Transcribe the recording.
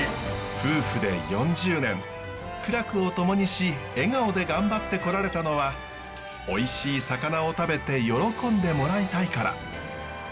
夫婦で４０年苦楽を共にし笑顔で頑張ってこられたのはおいしい魚を食べて喜んでもらいたいから。